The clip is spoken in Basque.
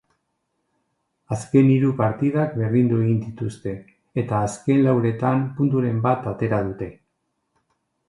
Azken hiru partidak berdindu egin dituzte eta azken lauretan punturen bat atera dute.